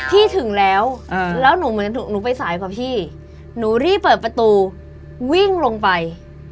ถึงแล้วแล้วหนูเหมือนหนูไปสายกว่าพี่หนูรีบเปิดประตูวิ่งลงไป